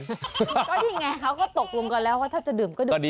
ก็นี่ไงเขาก็ตกลงกันแล้วว่าถ้าจะดื่มก็ดื่มดี